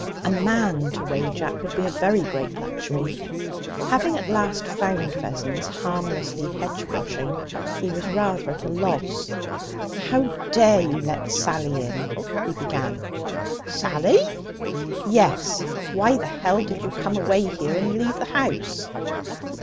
A man to rage at would be a very great luxury. Having at last found Vessons, harmlessly hedge brushing, he was rather at a loss. 'How dare you let Sally in?' he began. 'Sally?' 'Yes. Why the h did you come away here and leave the house?'